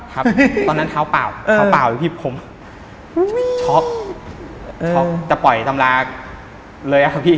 ครับตอนนั้นเท้าเปล่าที่ผมช็อคจะปล่อยตำราเลยครับพี่